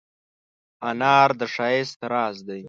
انار د ښایست راز دی.